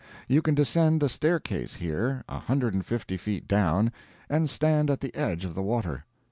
You can descend a staircase here a hundred and fifty feet down, and stand at the edge of the water.